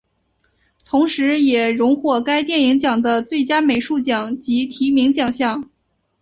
同时也荣获该电影奖的最佳美术奖及提名奖项。